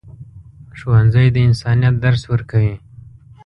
ښوونځی د انسانیت درس ورکوي.